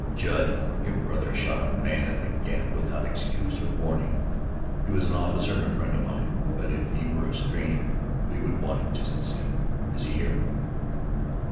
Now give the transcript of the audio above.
"Judd, your brother shot a man at the Gap without excuse or warning. He was an officer and a friend of mine, but if he were a stranger we want him just the same. Is he here?"